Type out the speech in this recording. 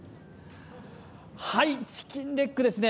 チキンレッグですね